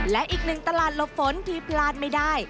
และอีกหนึ่งตลาดหลบฝนที่พลาดไม่ได้